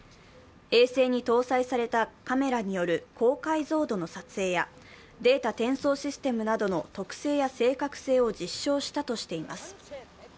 衛星に搭載したカメラによる高解像度の撮影やデータ転送システムなどの特性や正確性を実証したとしています。